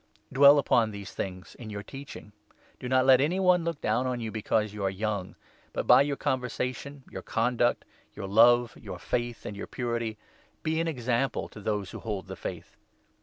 Dwell upon these things in your teaching. Do n, on the not let any one look down on you because you or M» lowers. are young> but, by your conversation, your con duct, your love, your faith, and your purity, be an example to those who hold the Faith.